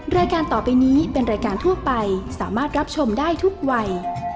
รายการต่อไปนี้เป็นรายการทั่วไปสามารถรับชมได้ทุกวัย